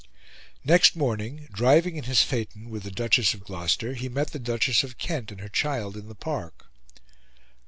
Next morning, driving in his phaeton with the Duchess of Gloucester, he met the Duchess of Kent and her child in the Park.